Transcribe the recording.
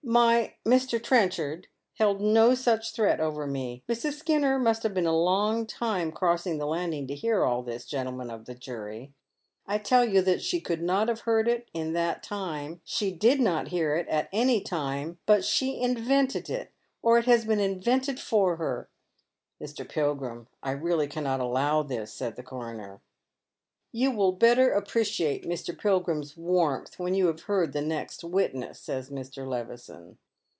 Sly Mr. Trenchard held no such threat over me. Mrs. Slanner must have been a long time crossing the landing to bear all this, gentlemen of the jury. I tell vou that 372 ueaa Men's ISnoei. ehe could not have heard it in that time, she did not hear it ».t any time ; but she invented it, or it has been invented for her "" Mr. Pilgrim, I really cannot allow this," says the coroner. " You will better appreciate IVIr. Pilgiim's wannth when you Jiave heard the next witness," says Mr. Levison.